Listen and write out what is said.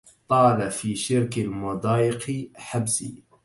طال في شرك المضايق حبسي